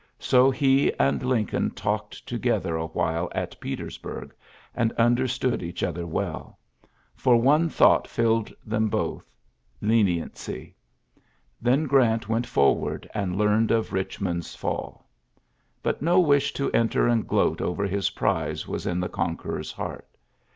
So he and Lincoln talked together awhile at Petersburg, and understood each other well ; for one thought filled them both, — leniency. Then Grant went forward, and learned of Eichmond's fall. But no wish to enter and gloat over his prize was in the conqueror's heart.